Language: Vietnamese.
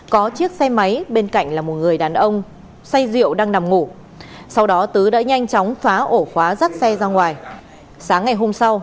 có chiếc xe máy bên cạnh là một người đàn ông say rượu đang nằm ngủ sau đó tứ đã nhanh chóng phá ổ khóa rắc xe ra ngoài